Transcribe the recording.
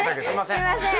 すいません！